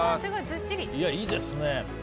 いいですね。